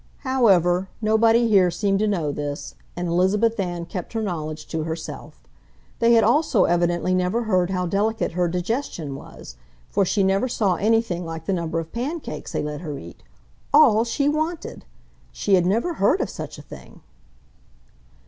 However, nobody here seemed to know this, and Elizabeth Ann kept her knowledge to herself. They had also evidently never heard how delicate her digestion was, for she never saw anything like the number of pancakes they let her eat. ALL SHE WANTED! She had never heard of such a thing!